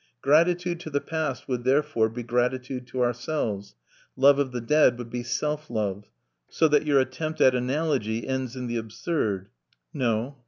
Gratitude to the past would, therefore, be gratitude to ourselves; love of the dead would be self love. So that your attempt at analogy ends in the absurd." No.